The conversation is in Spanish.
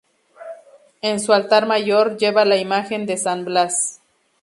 En su altar mayor, lleva la imagen de San Blas.